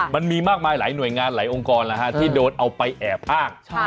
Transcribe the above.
มันมีมากมายหลายหน่วยงานหลายองค์กรที่โดนเอาไปแอบอ้าง